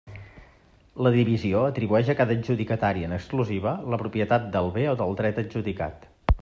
La divisió atribueix a cada adjudicatari en exclusiva la propietat del bé o del dret adjudicat.